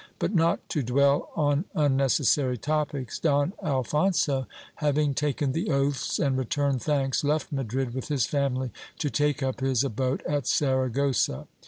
But not to dwell on unnecessary topics, Don Alphon so having taken the oaths and returned thanks, left Madrid with his family, to take up his abode at Saragossa.